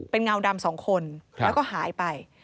เป็นงาวดำสองคนแล้วก็หายไป